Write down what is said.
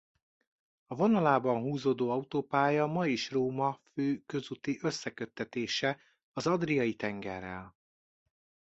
A vonalában húzódó autópálya ma is Róma fő közúti összeköttetése az Adriai tengerrel.